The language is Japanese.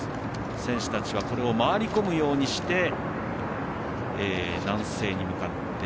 選手たちは、これを回り込むようにして南西に向かって。